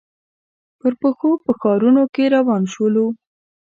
پر پښو په ښارنو کې روان شولو.